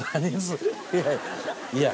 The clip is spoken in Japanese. いや。